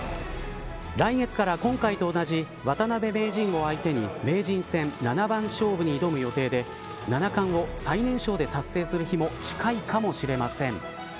来月から今回と同じ渡辺名人を相手に名人戦七番勝負に挑む予定で七冠を最年少で達成する日も近いかもしれません。